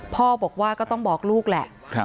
พ่อบอกว่าก็ต้องบอกลูกแหละ